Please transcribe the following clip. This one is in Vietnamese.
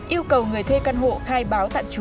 yêu cầu người thuê căn hộ khai báo tạm trú